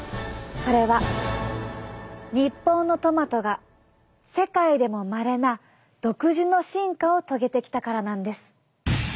それは日本のトマトが世界でもまれな独自の進化を遂げてきたからなんです。